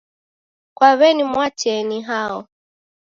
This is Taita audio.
Kwa w'eni Mwatee ni hao?